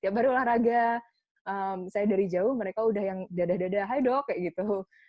tiap hari olahraga saya dari jauh mereka udah yang dadah dadah hai dok gitu